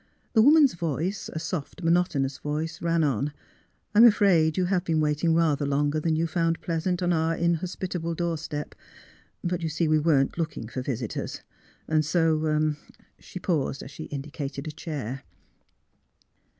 The woman's voice — a soft, monotonous voice — ran on: "I'm afraid you have been waiting rather longer than you found pleasant on our inhospi table doorstep. But you see we weren't looking for visitors, and so " She paused as she indicated a chair.